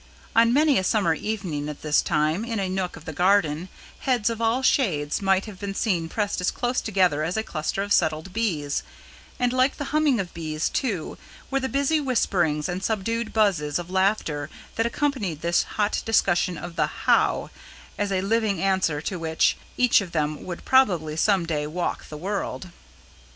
On many a summer evening at this time, in a nook of the garden, heads of all shades might have been seen pressed as close together as a cluster of settled bees; and like the humming of bees, too, were the busy whisperings and subdued buzzes of laughter that accompanied this hot discussion of the "how" as a living answer to which, each of them would probably some day walk the world.